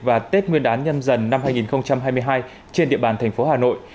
và tết nguyên đán nhâm dần năm hai nghìn hai mươi hai trên địa bàn thành phố hà nội